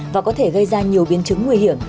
và có thể gây ra nhiều biến chứng nguy hiểm